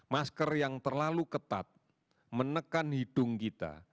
masker yang terlalu ketat menekan hidung kita